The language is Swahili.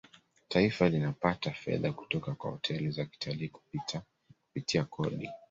taifa linapata fedha kutoka kwa hoteli za kitalii kupitia kodi